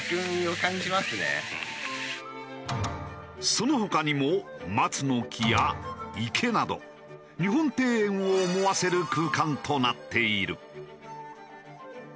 その他にも松の木や池など日本庭園を思わせる空間となっている。